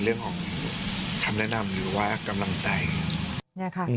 เรื่องของคำแนะนำหรือว่ากำลังใจ